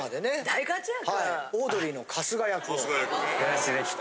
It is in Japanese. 大活躍！